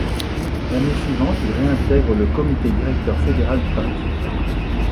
L'année suivante, il réintègre le comité directeur fédéral du parti.